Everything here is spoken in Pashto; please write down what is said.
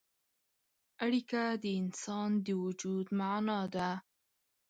اړیکه د انسان د وجود معنا ده.